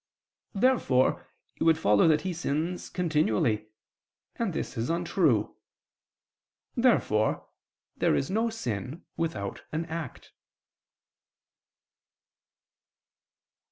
Therefore it would follow that he sins continually; and this is untrue. Therefore there is no sin without an act.